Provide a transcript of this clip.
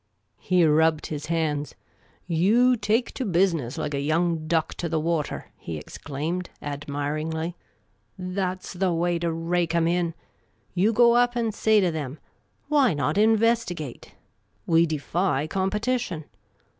He rubbed his hands. " You take to business like a young duck to the water," he exclaimed, admiringly. " That 's the way to rake 'em in ! You go up and say to them, ' Why not investigate ? We defy competition.